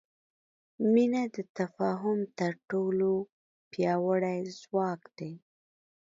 مینه د تفاهم تر ټولو پیاوړی ځواک دی.